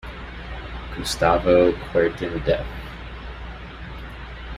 Gustavo Kuerten def.